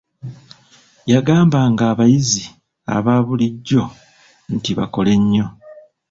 Yagambanga ng'abayizzi aba bulijjo nti bakole nnyo..